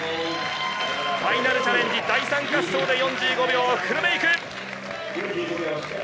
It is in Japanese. ファイナルチャレンジ、第３滑走で４５秒フルメイク。